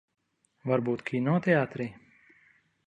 Varbūt kinoteātrī?